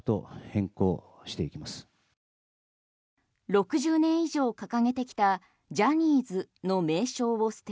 ６０年以上掲げてきたジャニーズの名称を捨て